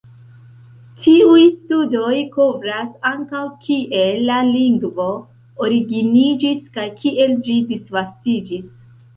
Tiuj studoj kovras ankaŭ kie la lingvo originiĝis kaj kiel ĝi disvastiĝis.